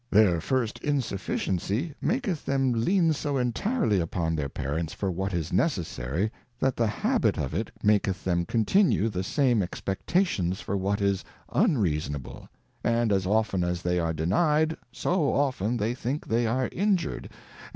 Their first In sufficiency maketh them lean so entirely upon their Parents for what is necessary, that the habit of it maketh them continue the same Expectations for what is unreasonable; and as often as they are denied, so often they think they are injured : and whilst HUSBAND.